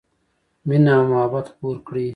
مینه او محبت خپور کړئ